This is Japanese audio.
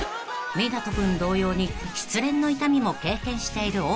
［湊斗君同様に失恋の痛みも経験しているおーたん］